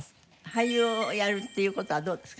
俳優をやるっていう事はどうですか？